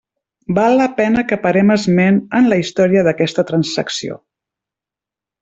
Val la pena que parem esment en la història d'aquesta transacció.